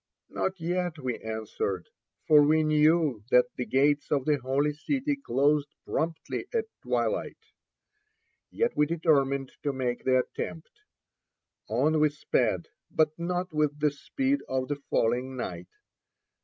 "Not yet," we answered, for we knew that the gates of the Holy City closed promptly at twilight. Yet we determined to make the attempt. On we sped, but not with the speed of the falling night.